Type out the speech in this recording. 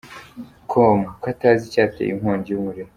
com ko atazi icyateye inkongi y'umuriro.